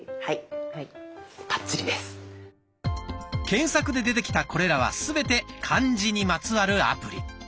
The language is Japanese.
検索で出てきたこれらはすべて「漢字」にまつわるアプリ。